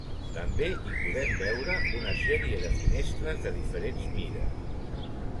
També hi podem veure una sèrie de finestres de diferents mides.